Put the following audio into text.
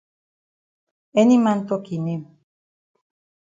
Any man tok e name.